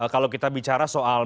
kalau kita bicara soal